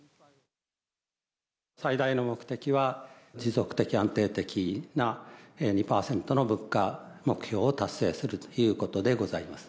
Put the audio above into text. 最大の目的は、持続的安定的な２％の物価目標を達成するということでございます。